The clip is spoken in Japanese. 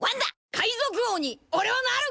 海賊王におれはなる！